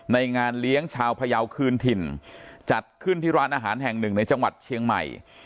งานเลี้ยงชาวพยาวคืนถิ่นจัดขึ้นที่ร้านอาหารแห่งหนึ่งในจังหวัดเชียงใหม่